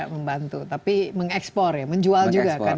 membantu tapi mengekspor ya menjual juga kan